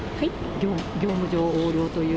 業務上横領という。